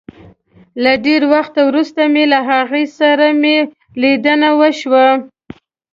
له ډېره وخته وروسته مي له هغه سره مي ليدنه وشوه